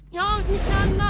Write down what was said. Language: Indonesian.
jauh di sana